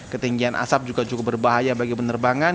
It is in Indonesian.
ketinggian asap juga cukup berbahaya bagi penerbangan